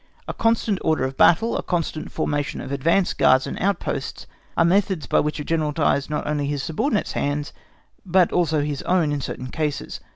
A constant order of battle, a constant formation of advance guards and outposts, are methods by which a General ties not only his subordinates' hands, but also his own in certain cases.